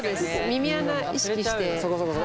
耳穴意識して。